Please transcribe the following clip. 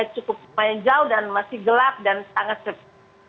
cukup jauh dan masih gelap dan sangat sedih